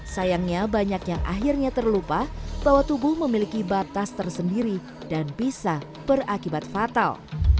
sayangnya banyak yang akhirnya terlupa bahwa tubuh memiliki batas tersendiri dan bisa berakibat fatal